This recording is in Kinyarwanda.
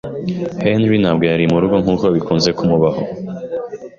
Henry ntabwo yari murugo, nkuko bikunze kumubaho.